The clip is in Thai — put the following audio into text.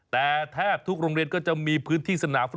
แต่แทบทุกโรงเรียนก็จะมีพื้นที่สนามฟุ